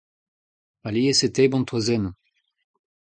alies e tebran toazennoù.